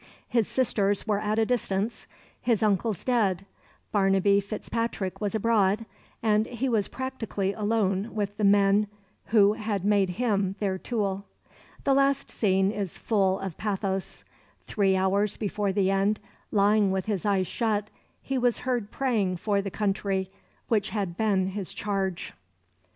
His sisters were at a distance, his uncles dead, Barnaby Fitzpatrick was abroad, and he was practically alone with the men who had made him their tool. The last scene is full of pathos. Three hours before the end, lying with his eyes shut, he was heard praying for the country which had been his charge.